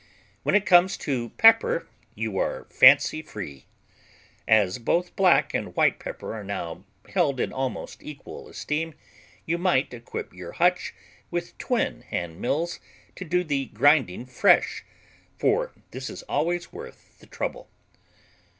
When it comes to pepper you are fancy free. As both black and white pepper are now held in almost equal esteem, you might equip your hutch with twin hand mills to do the grinding fresh, for this is always worth the trouble.